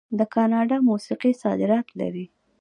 د کاناډا موسیقي صادرات لري.